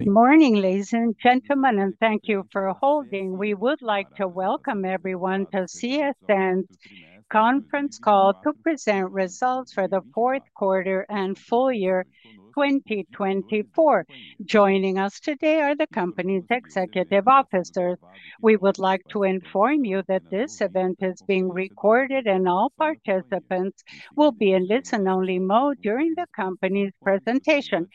Good morning, ladies and gentlemen, and thank you for holding. We would like to welcome everyone to CSN's Conference Call to present results for the Fourth Quarter and Full Year 2024. Joining us today are the company's executive officers. We would like to inform you that this event is being recorded, and all participants will be in listen-only mode during the company's presentation.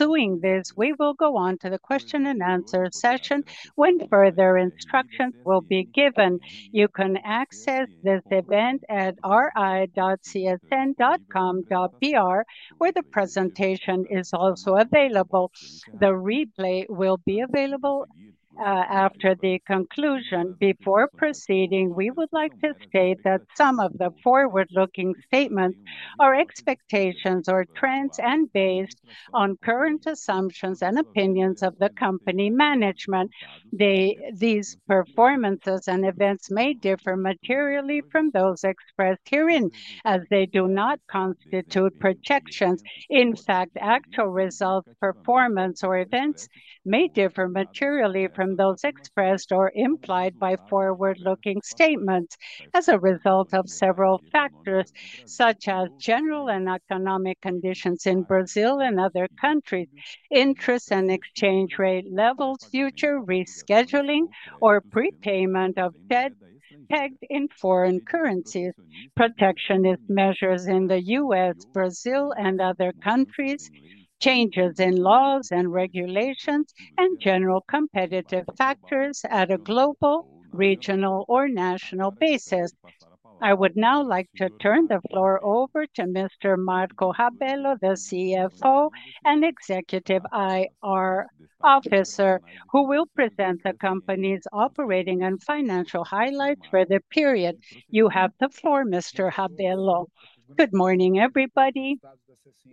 Following this, we will go on to the question and answer session when further instructions will be given. You can access this event at ri.csn.com.br, where the presentation is also available. The replay will be available after the conclusion. Before proceeding, we would like to state that some of the forward-looking statements are expectations or trends and based on current assumptions and opinions of the company management. These performances and events may differ materially from those expressed herein, as they do not constitute projections. In fact, actual results, performance, or events may differ materially from those expressed or implied by forward-looking statements as a result of several factors, such as general and economic conditions in Brazil and other countries, interest and exchange rate levels, future rescheduling or prepayment of debt tagged in foreign currencies, protectionist measures in the U.S., Brazil, and other countries, changes in laws and regulations, and general competitive factors at a global, regional, or national basis. I would now like to turn the floor over to Mr. Marco Rabello, the CFO and Executive IR officer, who will present the company's operating and financial highlights for the period. You have the floor, Mr. Rabello. Good morning, everybody.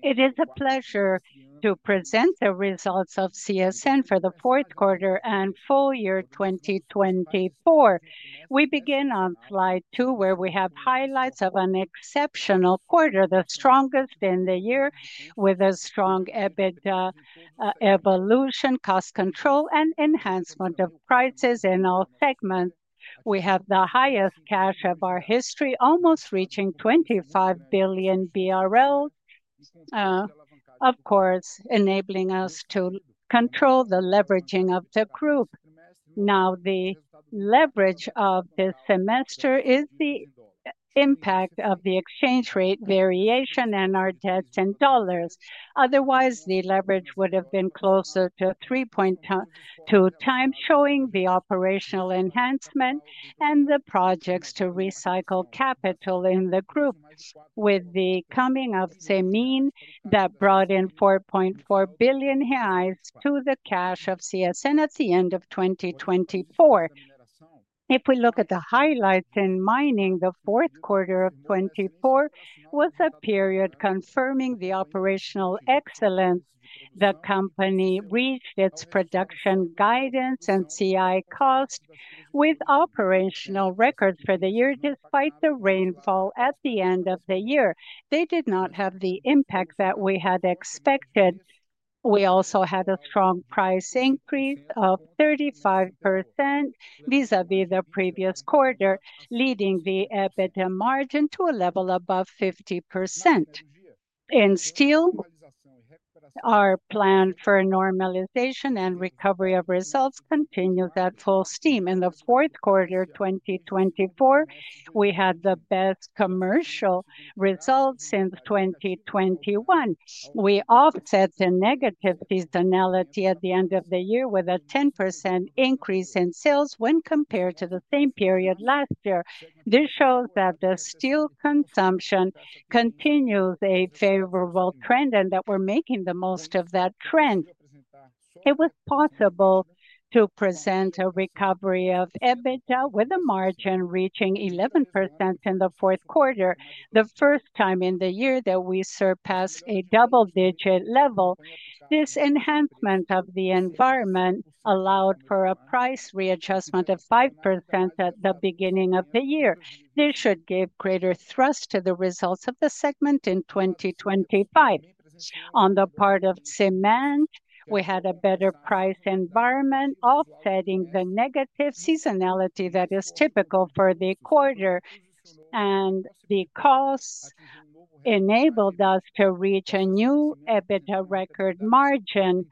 It is a pleasure to present the results of CSN for the fourth quarter and full year 2024. We begin on Slide 2, where we have highlights of an exceptional quarter, the strongest in the year, with a strong evolution, cost control, and enhancement of prices in all segments. We have the highest cash of our history, almost reaching 25 billion reais, of course, enabling us to control the leveraging of the group. Now, the leverage of this semester is the impact of the exchange rate variation and our debts in dollars. Otherwise, the leverage would have been closer to 3.2 times, showing the operational enhancement and the projects to recycle capital in the group, with the coming of CMIN that brought in 4.4 billion reais to the cash of CSN at the end of 2024. If we look at the highlights in mining, the fourth quarter of 2024 was a period confirming the operational excellence. The company reached its production guidance and C1 cost with operational records for the year, despite the rainfall at the end of the year. They did not have the impact that we had expected. We also had a strong price increase of 35% vis-à-vis the previous quarter, leading the EBITDA margin to a level above 50%. In steel, our plan for normalization and recovery of results continues at full steam. In the fourth quarter of 2024, we had the best commercial results since 2021. We offset the negative seasonality at the end of the year with a 10% increase in sales when compared to the same period last year. This shows that the steel consumption continues a favorable trend and that we're making the most of that trend. It was possible to present a recovery of EBITDA with a margin reaching 11% in the fourth quarter, the first time in the year that we surpassed a double-digit level. This enhancement of the environment allowed for a price readjustment of 5% at the beginning of the year. This should give greater thrust to the results of the segment in 2025. On the part of CMIN, we had a better price environment, offsetting the negative seasonality that is typical for the quarter, and the costs enabled us to reach a new EBITDA record margin.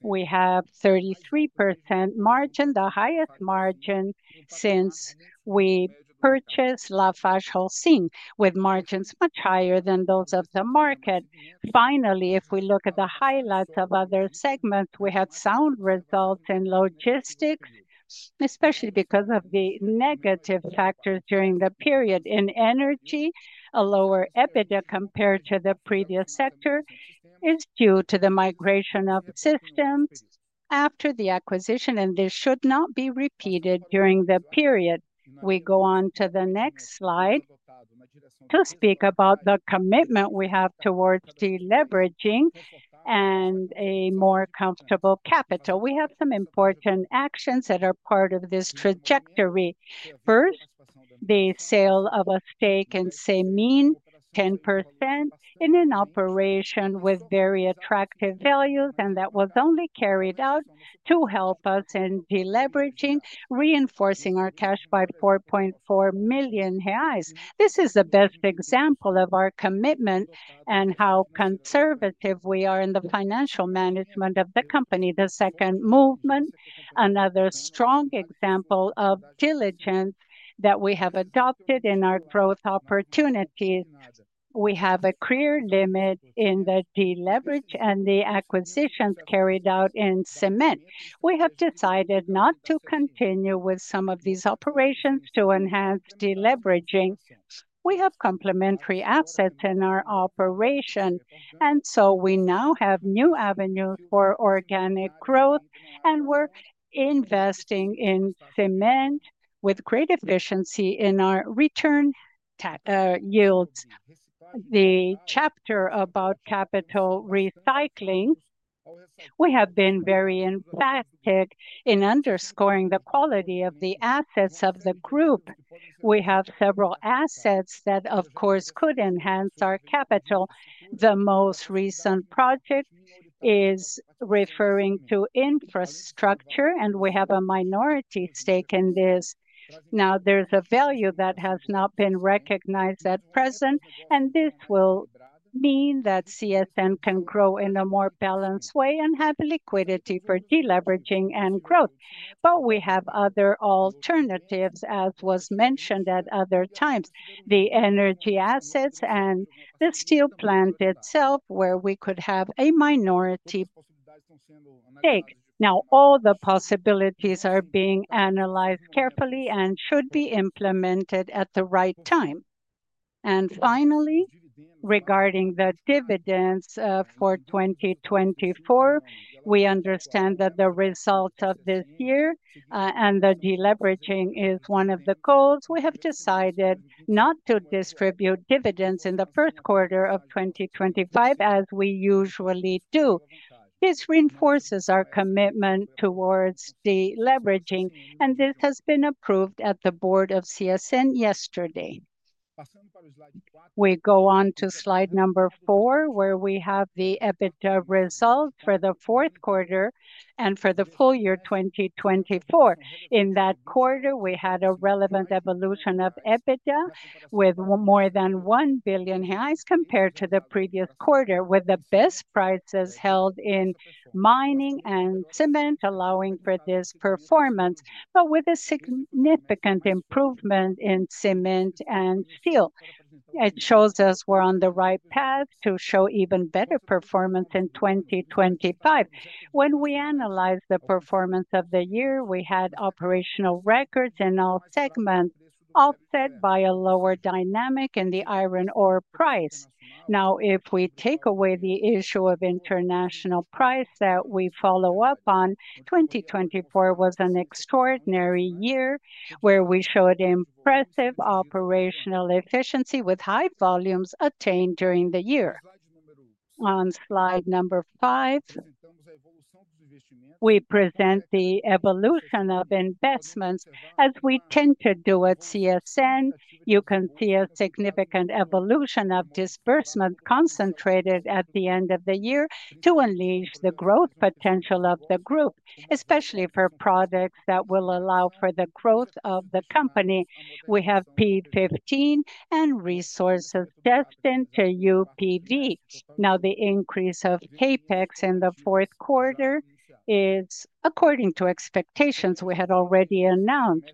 We have a 33% margin, the highest margin since we purchased LafargeHolcim, with margins much higher than those of the market. Finally, if we look at the highlights of other segments, we had sound results in logistics, especially because of the negative factors during the period. In energy, a lower EBITDA compared to the previous sector is due to the migration of systems after the acquisition, and this should not be repeated during the period. We go on to the next Slide to speak about the commitment we have towards deleveraging and a more comfortable capital. We have some important actions that are part of this trajectory. First, the sale of a stake in CMIN, 10% in an operation with very attractive values, and that was only carried out to help us in deleveraging, reinforcing our cash by 4.4 million reais. This is the best example of our commitment and how conservative we are in the financial management of the company. The second movement, another strong example of diligence that we have adopted in our growth opportunities. We have a clear limit in the deleverage and the acquisitions carried out in cement. We have decided not to continue with some of these operations to enhance deleveraging. We have complementary assets in our operation, and so we now have new avenues for organic growth, and we're investing in cement with great efficiency in our return yields. The chapter about capital recycling, we have been very emphatic in underscoring the quality of the assets of the group. We have several assets that, of course, could enhance our capital. The most recent project is referring to infrastructure, and we have a minority stake in this. Now, there's a value that has not been recognized at present, and this will mean that CSN can grow in a more balanced way and have liquidity for deleveraging and growth. We have other alternatives, as was mentioned at other times, the energy assets and the steel plant itself, where we could have a minority stake. Now, all the possibilities are being analyzed carefully and should be implemented at the right time. Finally, regarding the dividends for 2024, we understand that the result of this year and the deleveraging is one of the goals. We have decided not to distribute dividends in the first quarter of 2025, as we usually do. This reinforces our commitment towards deleveraging, and this has been approved at the board of CSN yesterday. We go on to Slide 4, where we have the EBITDA results for the fourth quarter and for the full year 2024. In that quarter, we had a relevant evolution of EBITDA with more than 1 billion reais compared to the previous quarter, with the best prices held in mining and cement allowing for this performance, but with a significant improvement in cement and steel. It shows us we're on the right path to show even better performance in 2025. When we analyze the performance of the year, we had operational records in all segments offset by a lower dynamic in the iron ore price. Now, if we take away the issue of international price that we follow up on, 2024 was an extraordinary year where we showed impressive operational efficiency with high volumes attained during the year. On Slide 5, we present the evolution of investments as we tend to do at CSN. You can see a significant evolution of disbursement concentrated at the end of the year to unleash the growth potential of the group, especially for products that will allow for the growth of the company. We have P15 and resources destined to UPV. Now, the increase of CapEx in the fourth quarter is according to expectations we had already announced.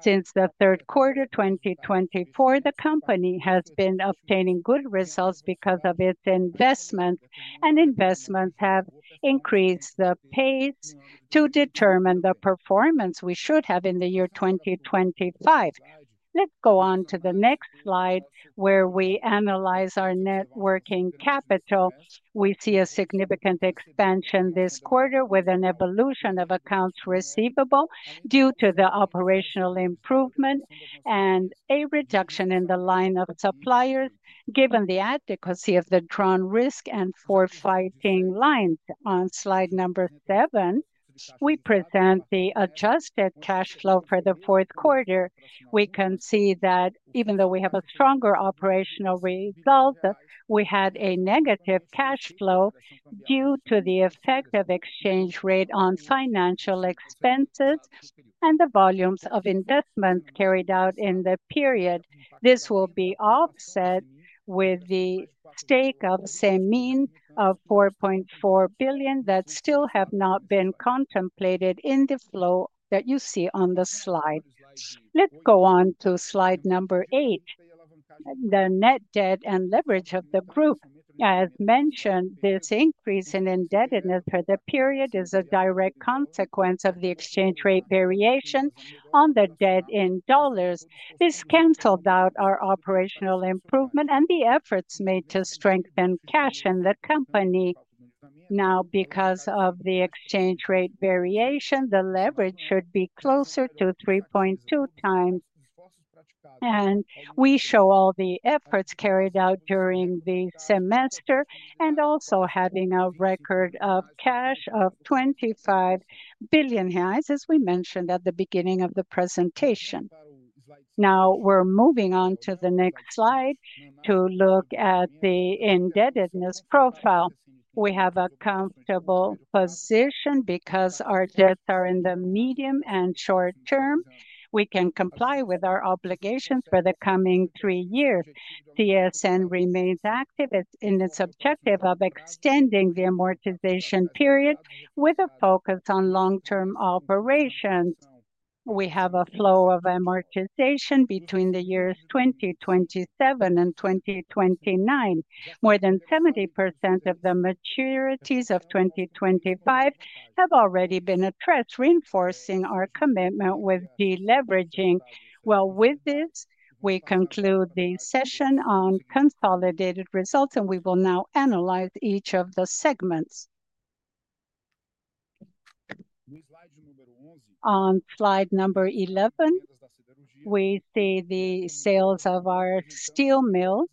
Since the third quarter 2024, the company has been obtaining good results because of its investments, and investments have increased the pace to determine the performance we should have in the year 2025. Let's go on to the next Slide, where we analyze our net working capital. We see a significant expansion this quarter with an evolution of accounts receivable due to the operational improvement and a reduction in the line of suppliers, given the adequacy of the drawn risk and forfaiting lines. On Slide 7 we present the adjusted cash flow for the fourth quarter. We can see that even though we have a stronger operational result, we had a negative cash flow due to the effect of exchange rate on financial expenses and the volumes of investments carried out in the period. This will be offset with the stake of CMIN of 4.4 billion reais that still have not been contemplated in the flow that you see on the Slide. Let's go on to Slide 8, the net debt and leverage of the group. As mentioned, this increase in indebtedness for the period is a direct consequence of the exchange rate variation on the debt in dollars. This canceled out our operational improvement and the efforts made to strengthen cash in the company. Now, because of the exchange rate variation, the leverage should be closer to 3.2 times, and we show all the efforts carried out during the semester and also having a record of cash of 25 billion reais, as we mentioned at the beginning of the presentation. Now, we're moving on to the next Slide to look at the indebtedness profile. We have a comfortable position because our debts are in the medium and short term. We can comply with our obligations for the coming three years. CSN remains active in its objective of extending the amortization period with a focus on long-term operations. We have a flow of amortization between the years 2027 and 2029. More than 70% of the maturities of 2025 have already been addressed, reinforcing our commitment with deleveraging. With this, we conclude the session on consolidated results, and we will now analyze each of the segments. On Slide 11, we see the sales of our steel mill,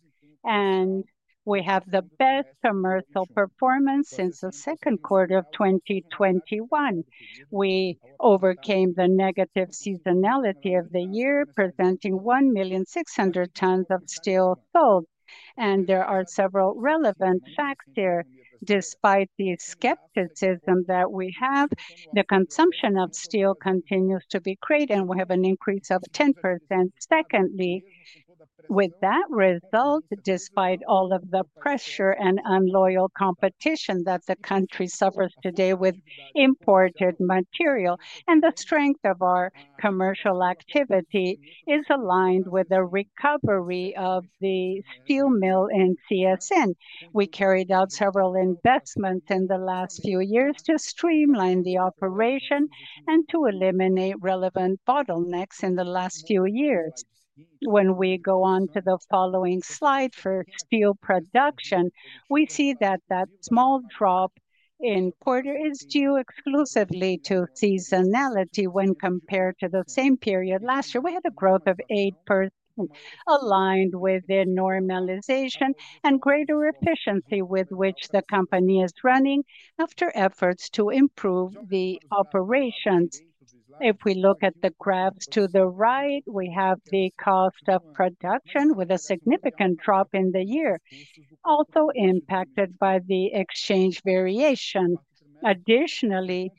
and we have the best commercial performance since the second quarter of 2021. We overcame the negative seasonality of the year, presenting 1.6 million tons of steel sold, and there are several relevant facts here. Despite the skepticism that we have, the consumption of steel continues to be great, and we have an increase of 10%. Secondly, with that result, despite all of the pressure and unloyal competition that the country suffers today with imported material, and the strength of our commercial activity is aligned with the recovery of the steel mill in CSN. We carried out several investments in the last few years to streamline the operation and to eliminate relevant bottlenecks in the last few years. When we go on to the following Slide for steel production, we see that that small drop in quarter is due exclusively to seasonality when compared to the same period last year. We had a growth of 8% aligned with the normalization and greater efficiency with which the company is running after efforts to improve the operations. If we look at the graphs to the right, we have the cost of production with a significant drop in the year, also impacted by the exchange variation. Additionally,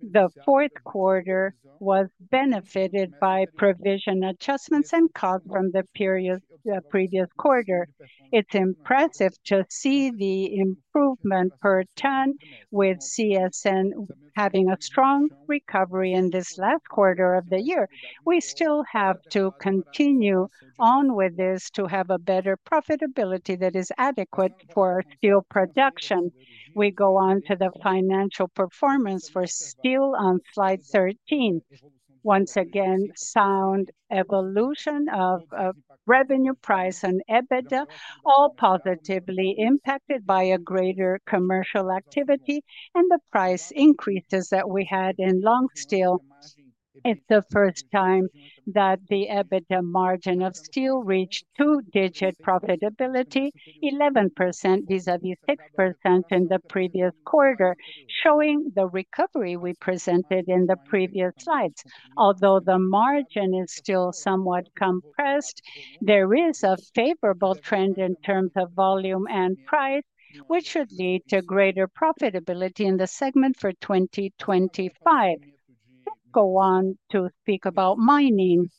the fourth quarter was benefited by provision adjustments and costs from the previous quarter. It's impressive to see the improvement per ton, with CSN having a strong recovery in this last quarter of the year. We still have to continue on with this to have a better profitability that is adequate for steel production. We go on to the financial performance for steel on Slide 13. Once again, sound evolution of revenue price and EBITDA, all positively impacted by a greater commercial activity and the price increases that we had in long steel. It's the first time that the EBITDA margin of steel reached two-digit profitability, 11% vis-à-vis 6% in the previous quarter, showing the recovery we presented in the previous Slides. Although the margin is still somewhat compressed, there is a favorable trend in terms of volume and price, which should lead to greater profitability in the segment for 2025. Let's go on to speak about mining.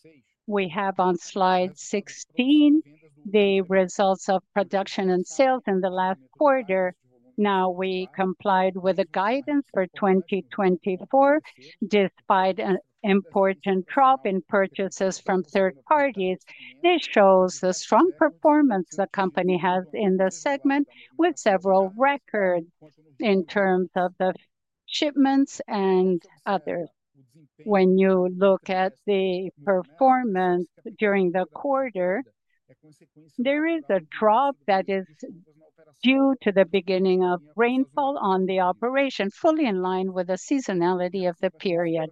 We have on Slide 16 the results of production and sales in the last quarter. Now, we complied with the guidance for 2024, despite an important drop in purchases from third parties. This shows the strong performance the company has in the segment, with several records in terms of the shipments and others. When you look at the performance during the quarter, there is a drop that is due to the beginning of rainfall on the operation, fully in line with the seasonality of the period.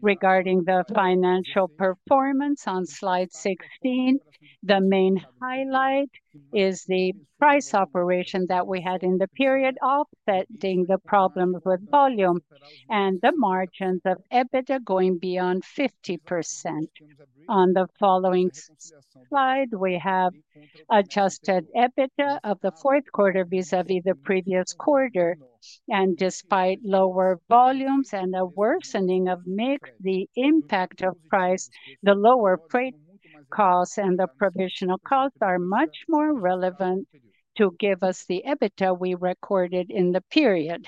Regarding the financial performance on Slide 16, the main highlight is the price operation that we had in the period, offsetting the problems with volume and the margins of EBITDA going beyond 50%. On the following Slide, we have adjusted EBITDA of the fourth quarter vis-à-vis the previous quarter. Despite lower volumes and a worsening of mixed, the impact of price, the lower freight costs and the provisional costs are much more relevant to give us the EBITDA we recorded in the period.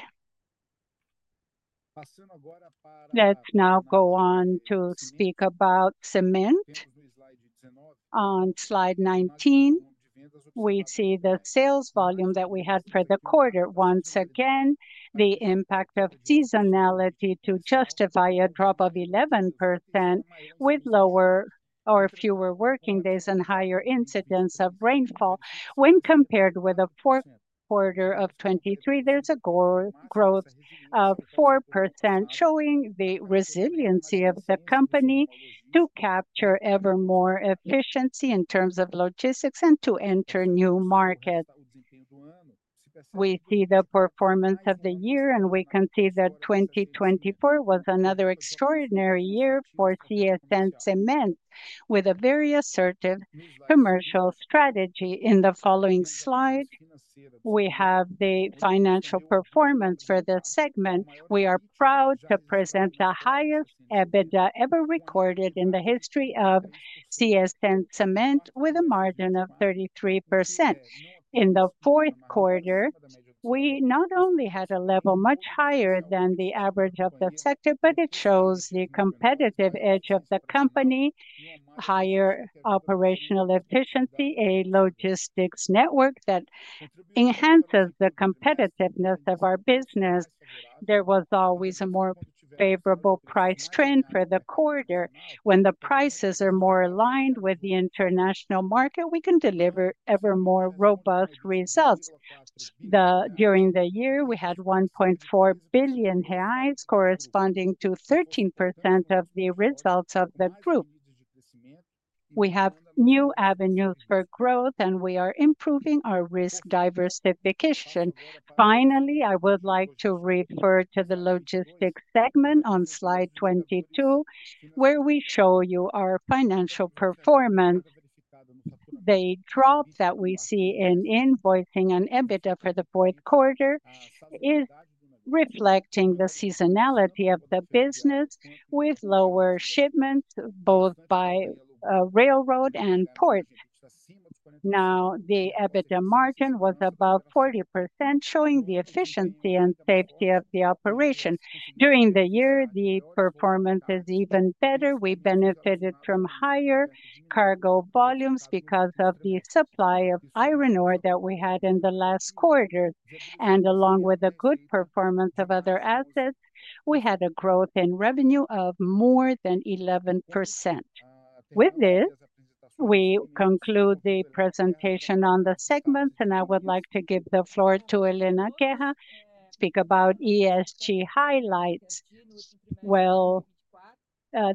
Let's now go on to speak about cement. On Slide 19, we see the sales volume that we had for the quarter. Once again, the impact of seasonality to justify a drop of 11% with lower or fewer working days and higher incidence of rainfall. When compared with the fourth quarter of 2023, there's a growth of 4%, showing the resiliency of the company to capture ever more efficiency in terms of logistics and to enter new markets. We see the performance of the year, and we can see that 2024 was another extraordinary year for CSN Cement, with a very assertive commercial strategy. In the following Slide, we have the financial performance for the segment. We are proud to present the highest EBITDA ever recorded in the history of CSN Cement, with a margin of 33%. In the fourth quarter, we not only had a level much higher than the average of the sector, but it shows the competitive edge of the company: higher operational efficiency, a logistics network that enhances the competitiveness of our business. There was always a more favorable price trend for the quarter. When the prices are more aligned with the international market, we can deliver ever more robust results. During the year, we had 1.4 billion reais, corresponding to 13% of the results of the group. We have new avenues for growth, and we are improving our risk diversification. Finally, I would like to refer to the logistics segment on Slide 22, where we show you our financial performance. The drop that we see in invoicing and EBITDA for the fourth quarter is reflecting the seasonality of the business, with lower shipments both by railroad and port. Now, the EBITDA margin was above 40%, showing the efficiency and safety of the operation. During the year, the performance is even better. We benefited from higher cargo volumes because of the supply of iron ore that we had in the last quarter. Along with a good performance of other assets, we had a growth in revenue of more than 11%. With this, we conclude the presentation on the segment, and I would like to give the floor to Helena Guerra to speak about ESG highlights.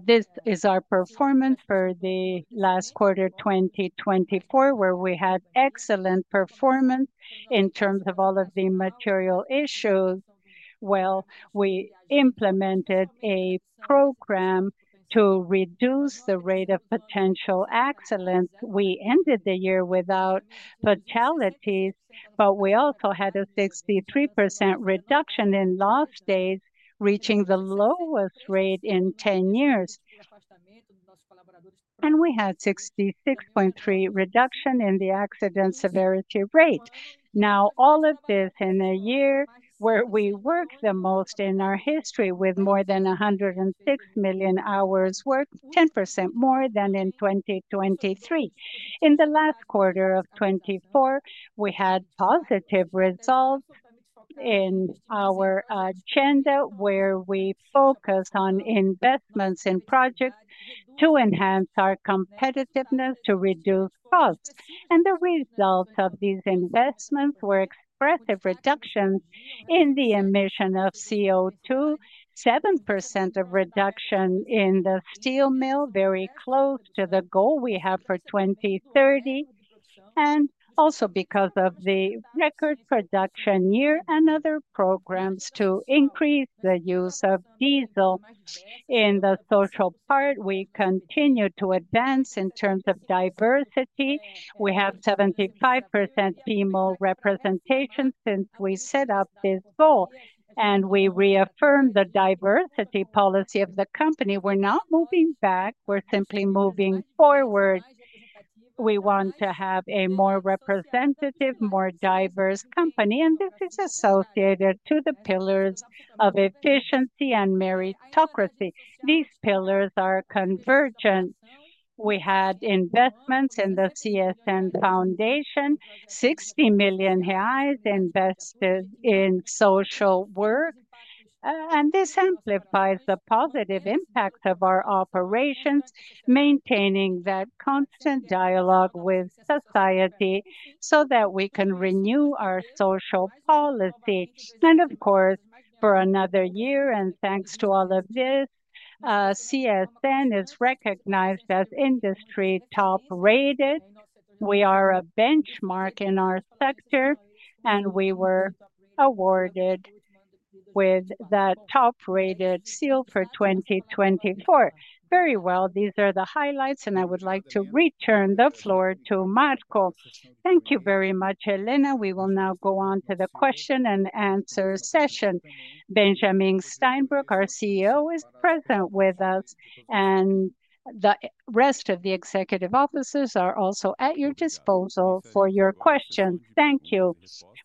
This is our performance for the last quarter 2024, where we had excellent performance in terms of all of the material issues. We implemented a program to reduce the rate of potential accidents. We ended the year without fatalities, but we also had a 63% reduction in loss days, reaching the lowest rate in 10 years. We had a 66.3% reduction in the accident severity rate. All of this in a year where we worked the most in our history, with more than 106 million hours worked, 10% more than in 2023. In the last quarter of 2024, we had positive results in our agenda, where we focused on investments in projects to enhance our competitiveness, to reduce costs. The results of these investments were expressive reductions in the emission of CO2, 7% of reduction in the steel mill, very close to the goal we have for 2030. Also because of the record production year and other programs to increase the use of diesel. In the social part, we continue to advance in terms of diversity. We have 75% female representation since we set up this goal, and we reaffirm the diversity policy of the company. We're not moving back; we're simply moving forward. We want to have a more representative, more diverse company, and this is associated to the pillars of efficiency and meritocracy. These pillars are convergent. We had investments in the CSN Foundation, 60 million reais invested in social work, and this amplifies the positive impact of our operations, maintaining that constant dialogue with society so that we can renew our social policy. Of course, for another year, and thanks to all of this, CSN is recognized as industry top-rated. We are a benchmark in our sector, and we were awarded with that top-rated seal for 2024. Very well, these are the highlights, and I would like to return the floor to Marco. Thank you very much, Helena. We will now go on to the question and answer session. Benjamin Steinbruch, our CEO, is present with us, and the rest of the executive officers are also at your disposal for your questions. Thank you.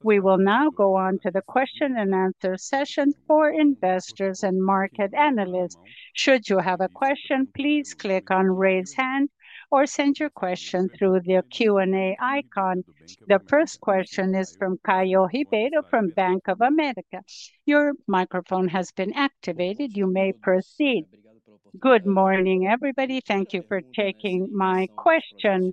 We will now go on to the question and answer session for investors and market analysts. Should you have a question, please click on "Raise Hand" or send your question through the Q&A icon. The first question is from Caio Ribeiro from Bank of America. Your microphone has been activated. You may proceed. Good morning, everybody. Thank you for taking my question.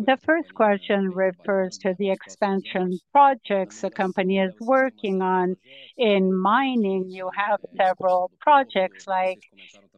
The first question refers to the expansion projects the company is working on in mining. You have several projects like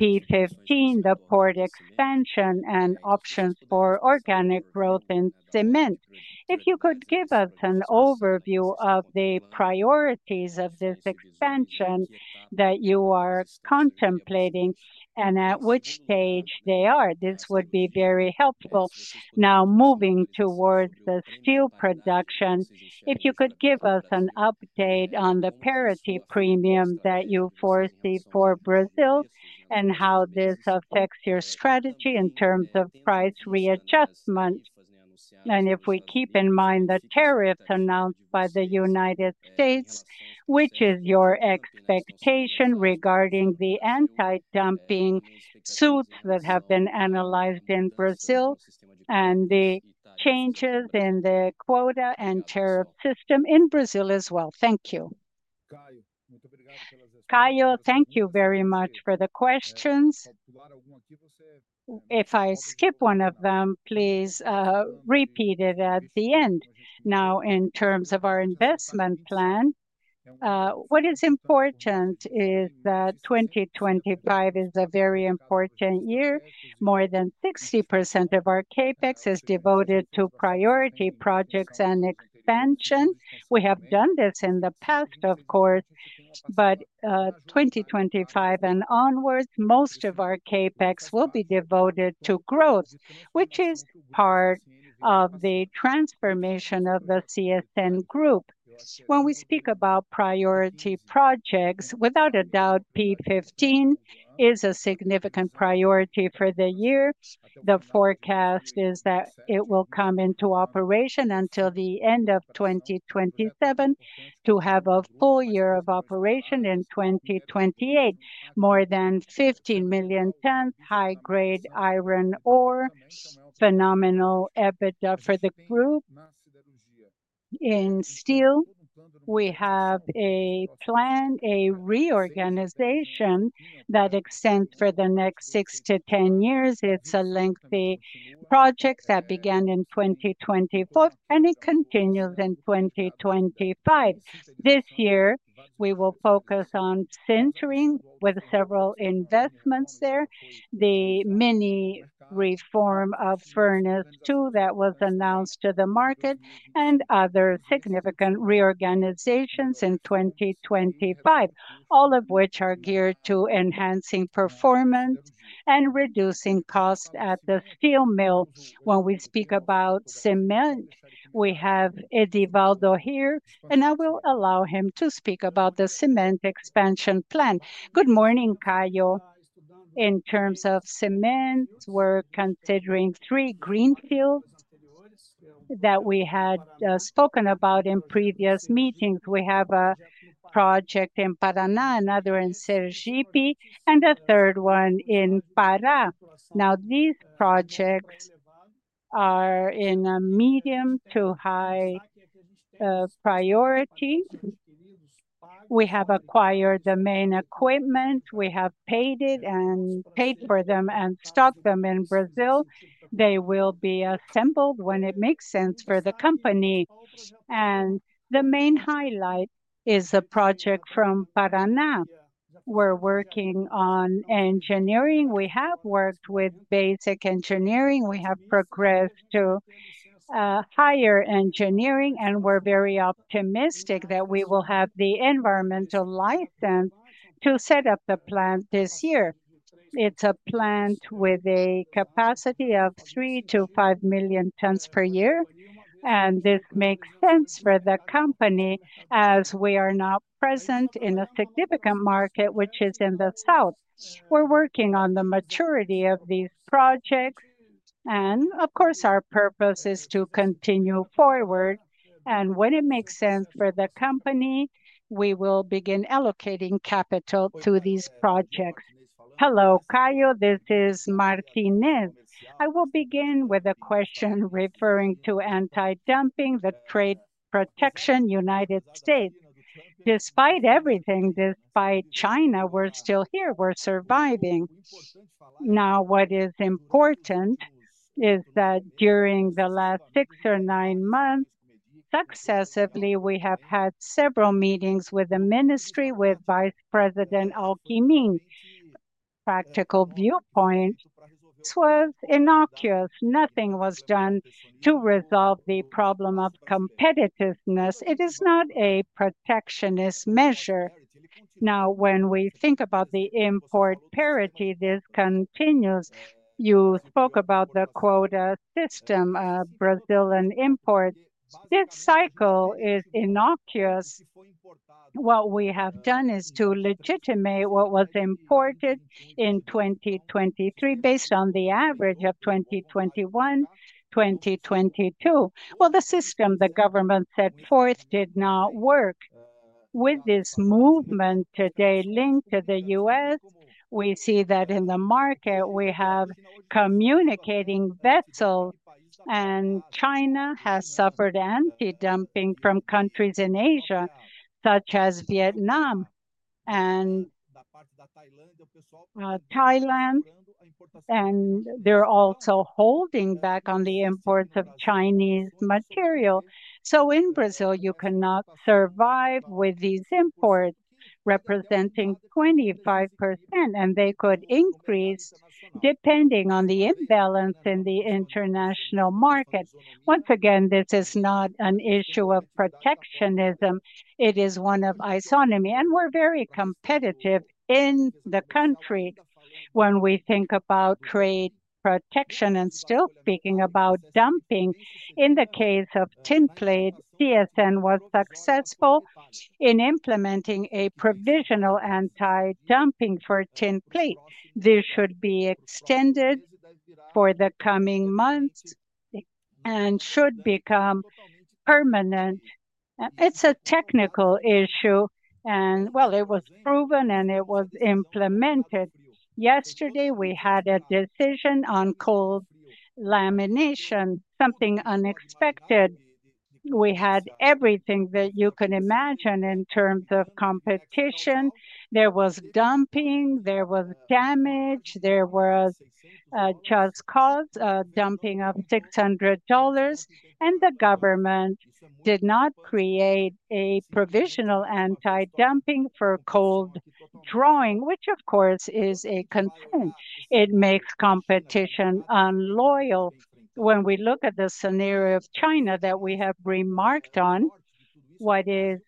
P15, the port expansion, and options for organic growth in cement. If you could give us an overview of the priorities of this expansion that you are contemplating and at which stage they are, this would be very helpful. Now, moving towards the steel production, if you could give us an update on the parity premium that you foresee for Brazil and how this affects your strategy in terms of price readjustment. If we keep in mind the tariffs announced by the United States, which is your expectation regarding the anti-dumping suits that have been analyzed in Brazil and the changes in the quota and tariff system in Brazil as well? Thank you. Caio, thank you very much for the questions. If I skip one of them, please repeat it at the end. Now, in terms of our investment plan, what is important is that 2025 is a very important year. More than 60% of our CapEx is devoted to priority projects and expansion. We have done this in the past, of course, but 2025 and onwards, most of our CapEx will be devoted to growth, which is part of the transformation of the CSN group. When we speak about priority projects, without a doubt, P15 is a significant priority for the year. The forecast is that it will come into operation until the end of 2027 to have a full year of operation in 2028. More than 15 million tons high-grade iron ore, phenomenal EBITDA for the group. In steel, we have a plan, a reorganization that extends for the next 6 years to 10 years. It's a lengthy project that began in 2024, and it continues in 2025. This year, we will focus on centering with several investments there: the mini reform of Furnace 2 that was announced to the market, and other significant reorganizations in 2025, all of which are geared to enhancing performance and reducing costs at the steel mill. When we speak about cement, we have Edvaldo here, and I will allow him to speak about the cement expansion plan. Good morning, Caio. In terms of cement, we're considering three greenfield that we had spoken about in previous meetings. We have a project in Paraná, another in Sergipe, and a third one in Pará. Now, these projects are in a medium to high priority. We have acquired the main equipment. We have paid it and paid for them and stocked them in Brazil. They will be assembled when it makes sense for the company. The main highlight is a project from Paraná. We're working on engineering. We have worked with basic engineering. We have progressed to higher engineering, and we're very optimistic that we will have the environmental license to set up the plant this year. It's a plant with a capacity of 3 million-5 million tons per year, and this makes sense for the company as we are not present in a significant market, which is in the south. We're working on the maturity of these projects, and of course, our purpose is to continue forward. When it makes sense for the company, we will begin allocating capital to these projects. Hello, Caio, this is Martinez. I will begin with a question referring to anti-dumping, the trade protection, United States. Despite everything, despite China, we're still here. We're surviving. Now, what is important is that during the last six or nine months, successively, we have had several meetings with the ministry, with Vice President Alckmin. From a practical viewpoint, this was innocuous. Nothing was done to resolve the problem of competitiveness. It is not a protectionist measure. Now, when we think about the import parity, this continues. You spoke about the quota system, Brazilian imports. This cycle is innocuous. What we have done is to legitimate what was imported in 2023 based on the average of 2021, 2022. The system the government set forth did not work. With this movement today linked to the U.S., we see that in the market, we have communicating vessels, and China has suffered anti-dumping from countries in Asia such as Vietnam and Thailand, and they are also holding back on the imports of Chinese material. In Brazil, you cannot survive with these imports representing 25%, and they could increase depending on the imbalance in the international market. Once again, this is not an issue of protectionism. It is one of isonomy, and we're very competitive in the country when we think about trade protection and still speaking about dumping. In the case of tinplate, CSN was successful in implementing a provisional anti-dumping for tinplate. This should be extended for the coming months and should become permanent. It's a technical issue, and, well, it was proven and it was implemented. Yesterday, we had a decision on cold lamination, something unexpected. We had everything that you can imagine in terms of competition. There was dumping, there was damage, there was just cause dumping of $600, and the government did not create a provisional anti-dumping for cold rolling which of course is a concern. It makes competition unloyal. When we look at the scenario of China that we have remarked on, what is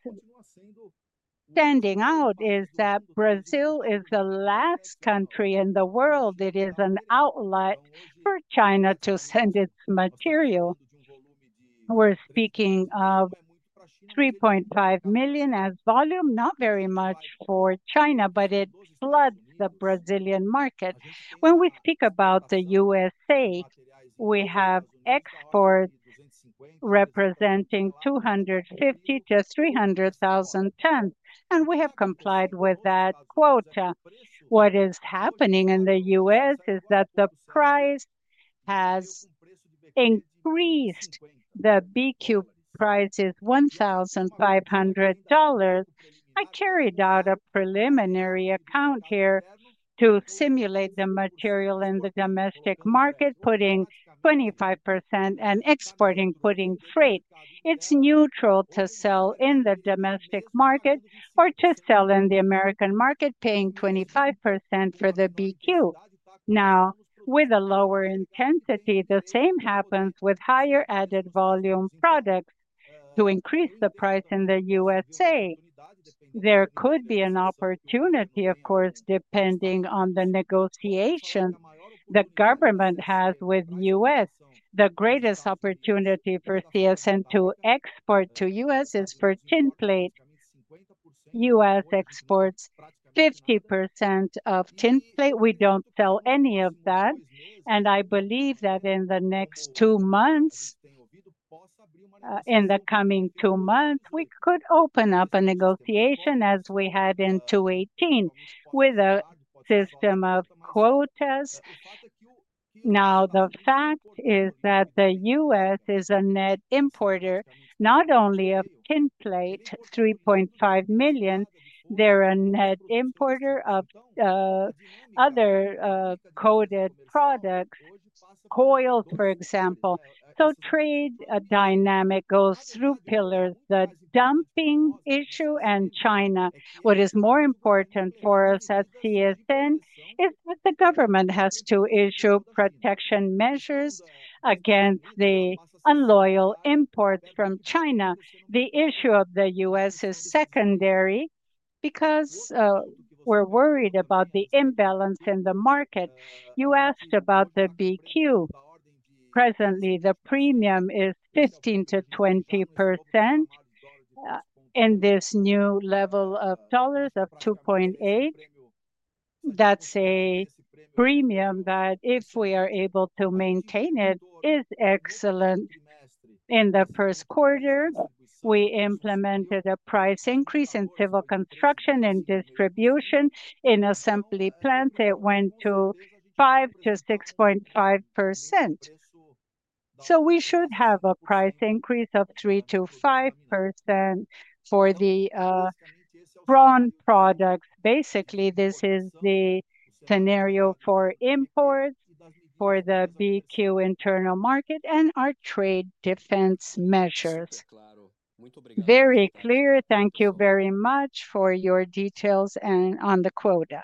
standing out is that Brazil is the last country in the world. It is an outlet for China to send its material. We're speaking of 3.5 million as volume, not very much for China, but it floods the Brazilian market. When we speak about the U.S., we have exports representing 250,000-300,000 tons, and we have complied with that quota. What is happening in the U.S. is that the price has increased. The BQ price is $1,500. I carried out a preliminary account here to simulate the material in the domestic market, putting 25% and exporting, putting freight. It's neutral to sell in the domestic market or to sell in the American market, paying 25% for the BQ. Now, with a lower intensity, the same happens with higher added volume products to increase the price in the U.S. There could be an opportunity, of course, depending on the negotiations the government has with the U.S. The greatest opportunity for CSN to export to the U.S. is for tinplate U.S. exports 50% of tinplate. We don't sell any of that, and I believe that in the next two months, in the coming two months, we could open up a negotiation as we had in 2018 with a system of quotas. Now, the fact is that the U.S. is a net importer not only of tinplate, 3.5 million. They're a net importer of other coated products, coils, for example. Trade dynamic goes through pillars. The dumping issue and China, what is more important for us at CSN, is that the government has to issue protection measures against the unloyal imports from China. The issue of the U.S. is secondary because we're worried about the imbalance in the market. You asked about the BQ. Presently, the premium is 15%-20% in this new level of dollars of $2.8. That's a premium that if we are able to maintain it, is excellent. In the first quarter, we implemented a price increase in civil construction and distribution in assembly plants. It went to 5%-6.5%. We should have a price increase of 3%-5% for the bronze products. Basically, this is the scenario for imports for the BQ internal market and our trade defense measures. Very clear. Thank you very much for your details and on the quota.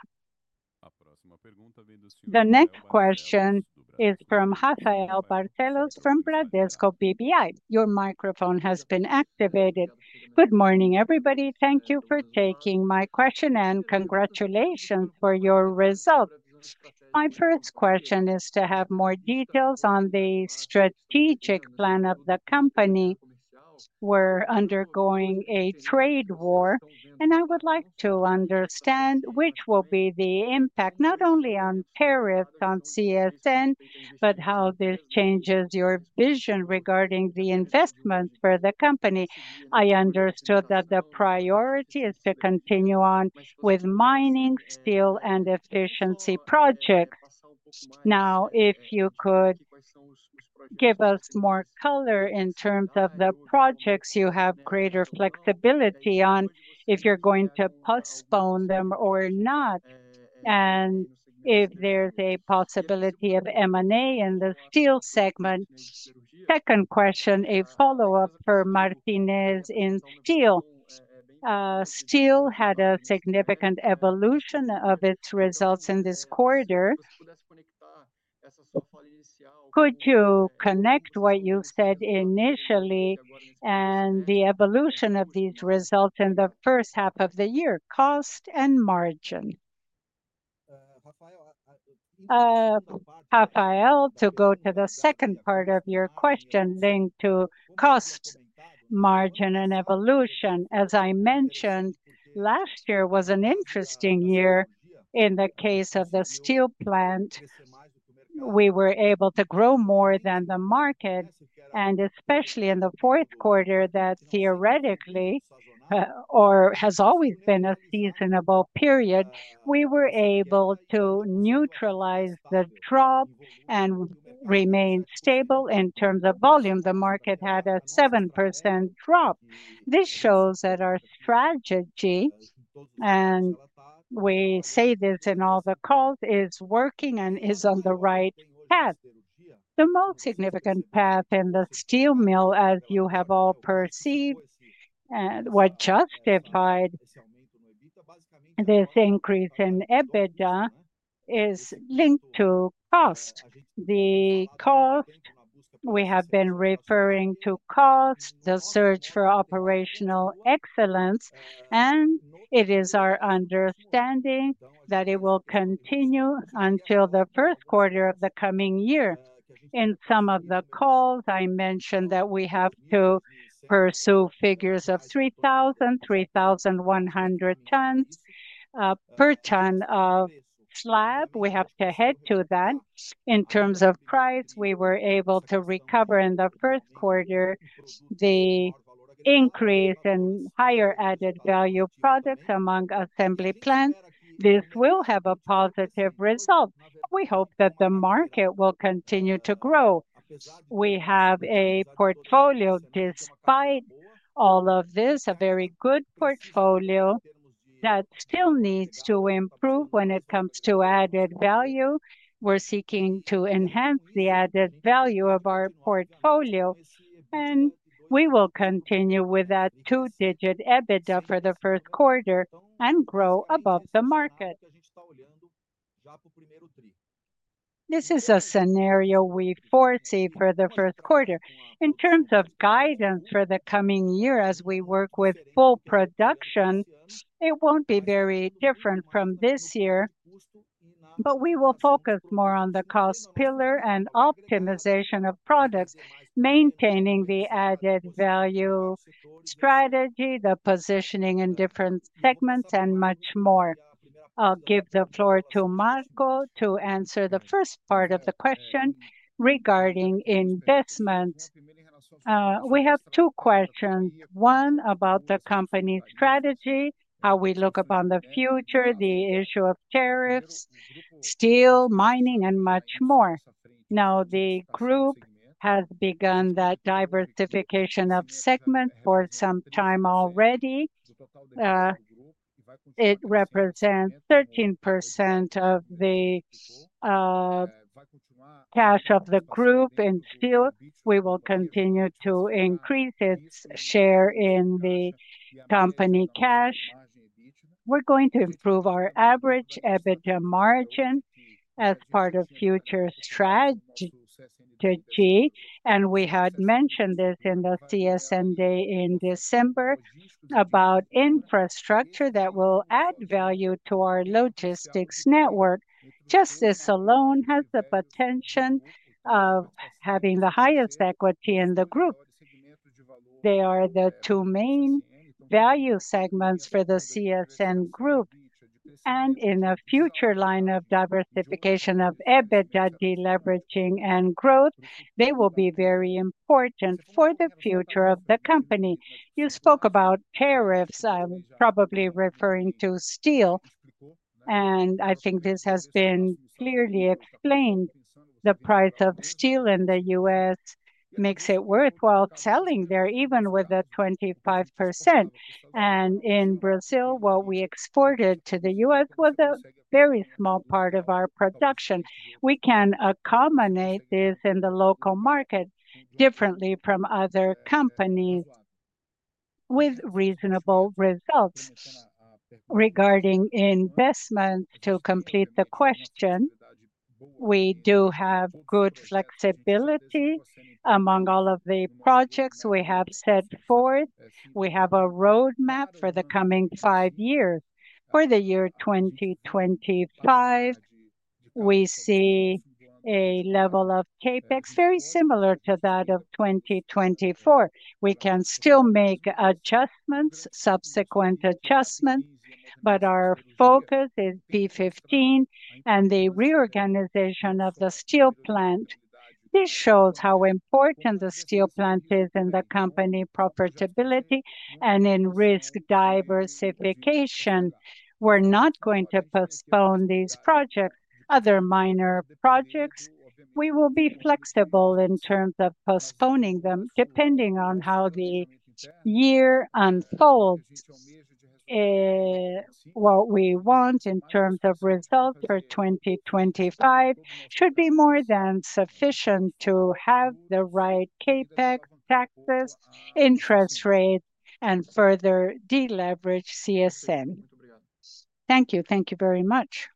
The next question is from Rafael Barcellos from Bradesco BBI. Your microphone has been activated. Good morning, everybody. Thank you for taking my question and congratulations for your results. My first question is to have more details on the strategic plan of the company. We're undergoing a trade war, and I would like to understand which will be the impact not only on tariffs on CSN, but how this changes your vision regarding the investments for the company. I understood that the priority is to continue on with mining, steel, and efficiency projects. Now, if you could give us more color in terms of the projects you have greater flexibility on, if you're going to postpone them or not, and if there's a possibility of M&A in the steel segment. Second question, a follow-up for Martinez in steel. Steel had a significant evolution of its results in this quarter. Could you connect what you said initially and the evolution of these results in the first half of the year, cost and margin? Rafael, to go to the second part of your question linked to cost, margin, and evolution, as I mentioned, last year was an interesting year. In the case of the steel plant, we were able to grow more than the market, and especially in the fourth quarter, that theoretically, or has always been a seasonable period, we were able to neutralize the drop and remain stable in terms of volume. The market had a 7% drop. This shows that our strategy, and we say this in all the calls, is working and is on the right path. The most significant path in the steel mill, as you have all perceived and what justified this increase in EBITDA, is linked to cost. The cost, we have been referring to cost, the search for operational excellence, and it is our understanding that it will continue until the first quarter of the coming year. In some of the calls, I mentioned that we have to pursue figures of 3,000-3,100 per ton of slab. We have to head to that. In terms of price, we were able to recover in the first quarter the increase in higher added value products among assembly plants. This will have a positive result. We hope that the market will continue to grow. We have a portfolio despite all of this, a very good portfolio that still needs to improve when it comes to added value. We're seeking to enhance the added value of our portfolio, and we will continue with that two-digit EBITDA for the first quarter and grow above the market. This is a scenario we foresee for the first quarter. In terms of guidance for the coming year, as we work with full production, it will not be very different from this year, but we will focus more on the cost pillar and optimization of products, maintaining the added value strategy, the positioning in different segments, and much more. I will give the floor to Marco to answer the first part of the question regarding investments. We have two questions. One about the company's strategy, how we look upon the future, the issue of tariffs, steel, mining, and much more. Now, the group has begun that diversification of segments for some time already. It represents 13% of the cash of the group in steel. We will continue to increase its share in the company cash. We're going to improve our average EBITDA margin as part of future strategy, and we had mentioned this in the CSN day in December about infrastructure that will add value to our logistics network. Just this alone has the potential of having the highest equity in the group. They are the two main value segments for the CSN group, and in a future line of diversification of EBITDA, deleveraging, and growth, they will be very important for the future of the company. You spoke about tariffs. I'm probably referring to steel, and I think this has been clearly explained. The price of steel in the U.S. makes it worthwhile selling there, even with a 25%. In Brazil, what we exported to the U.S. was a very small part of our production. We can accommodate this in the local market differently from other companies with reasonable results. Regarding investments, to complete the question, we do have good flexibility among all of the projects we have set forth. We have a roadmap for the coming 5 years. For the year 2025, we see a level of CapEx very similar to that of 2024. We can still make adjustments, subsequent adjustments, but our focus is P15 and the reorganization of the steel plant. This shows how important the steel plant is in the company profitability and in risk diversification. We're not going to postpone these projects. Other minor projects, we will be flexible in terms of postponing them depending on how the year unfolds. What we want in terms of results for 2025 should be more than sufficient to have the right CapEx, taxes, interest rates, and further deleverage CSN. Thank you. Thank you very much.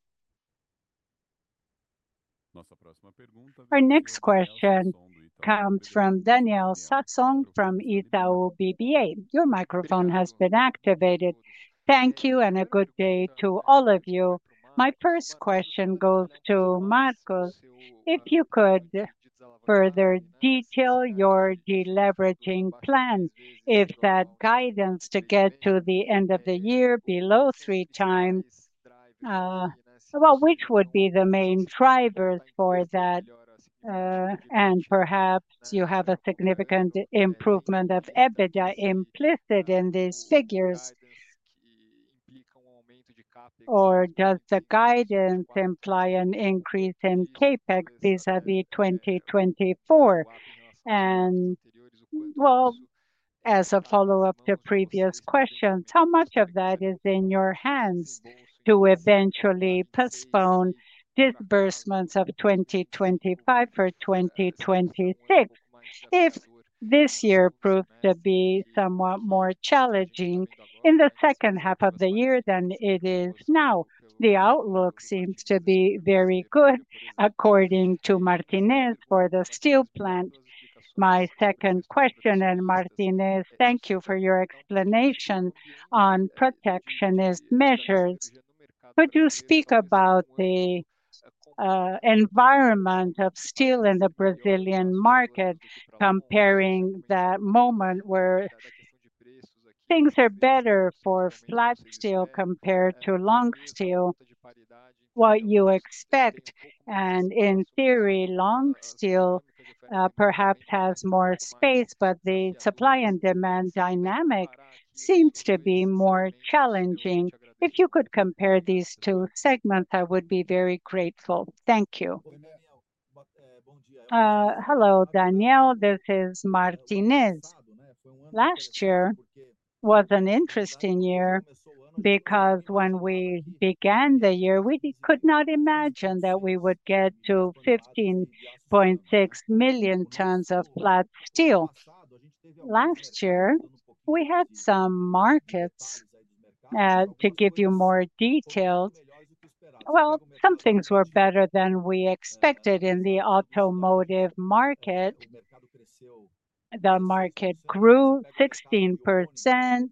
Our next question comes from Daniel Sasson from Itaú BBA. Your microphone has been activated. Thank you, and a good day to all of you. My first question goes to Marco. If you could further detail your deleveraging plan, if that guidance to get to the end of the year below three times, which would be the main drivers for that, and perhaps you have a significant improvement of EBITDA implicit in these figures, or does the guidance imply an increase in CapEx vis-à-vis 2024? As a follow-up to previous questions, how much of that is in your hands to eventually postpone disbursements of 2025 for 2026? If this year proves to be somewhat more challenging in the second half of the year than it is now, the outlook seems to be very good, according to Martinez, for the steel plant. My second question, and Martinez, thank you for your explanation on protectionist measures. Could you speak about the environment of steel in the Brazilian market, comparing the moment where things are better for flat steel compared to long steel, what you expect? In theory, long steel perhaps has more space, but the supply and demand dynamic seems to be more challenging. If you could compare these two segments, I would be very grateful. Thank you. Hello, Daniel. This is Martinez. Last year was an interesting year because when we began the year, we could not imagine that we would get to 15.6 million tons of flat steel. Last year, we had some markets. To give you more details, some things were better than we expected in the automotive market. The market grew 16%,